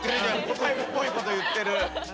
答えっぽいこと言ってる。